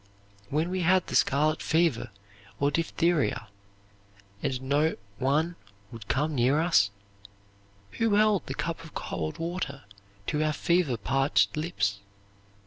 "When we had the scarlet fever or diphtheria and not one would come near us, who held the cup of cold water to our fever parched lips?